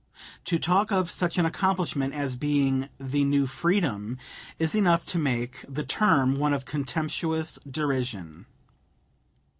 To talk of such an accomplishment as being "The New Freedom" is enough to make the term one of contemptuous derision.